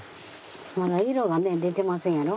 まだ色がね出てませんやろ。